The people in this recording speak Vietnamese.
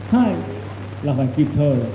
hai là phải kịp thờ